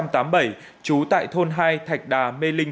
trú tại thôn hai thạch đà mê linh